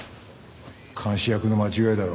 監視役の間違いだろ。